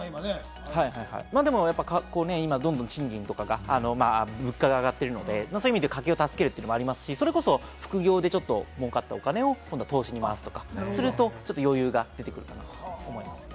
でも今、どんどん賃金とかが、物価も上がってるので、家計を助けるというのもありますし、副業で儲かったお金を投資に回すとか、すると余裕が出てくると思いますね。